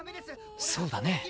そうだね。